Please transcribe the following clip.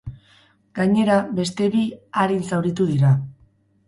Gainera, beste bi arin zauritu dira.